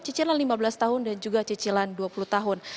cicilan lima belas tahun dan juga cicilan dua puluh tahun